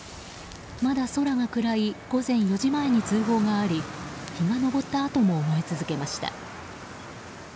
まだ空が暗い午前４時前に通報があり日が昇ったあとも燃え続けました。